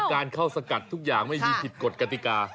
การเข้าสกัดทุกอย่างไม่มีผิดกฎกติกา